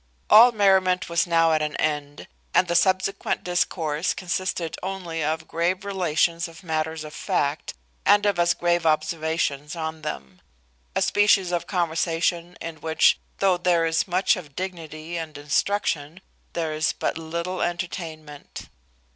All merriment was now at an end, and the subsequent discourse consisted only of grave relations of matters of fact, and of as grave observations upon them; a species of conversation, in which, though there is much of dignity and instruction, there is but little entertainment.